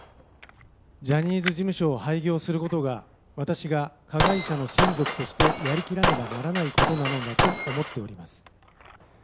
ジャニーズ事務所を廃業することが、私が加害者の親族としてやりきらねばならないことだと思っております。